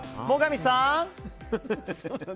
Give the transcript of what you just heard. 最上さん。